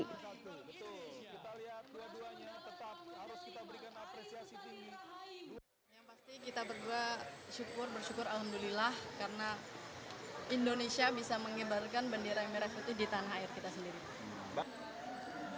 yang pasti kita berdua syukur bersyukur alhamdulillah karena indonesia bisa mengibarkan bendera merah putih di tanah air kita sendiri